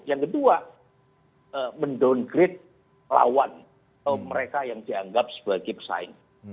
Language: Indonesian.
yang kedua men downgrade lawan mereka yang dianggap sebagai pesaing